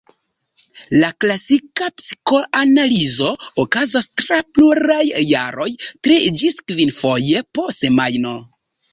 La klasika psikoanalizo okazas tra pluraj jaroj tri- ĝis kvinfoje po semajno.